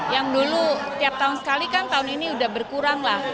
yang dulu tiap tahun sekali kan tahun ini sudah berkurang lah